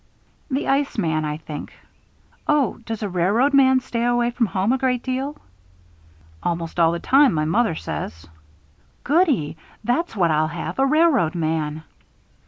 "The iceman, I think. Oh, does a railroad man stay away from home a great deal?" "Almost all the time, my mother says." "Goody! That's what I'll have a railroad man."